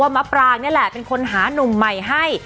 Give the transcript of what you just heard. ว่ามาปราก็แหละเป็นคนมาหาหนุ่มใหม่ให้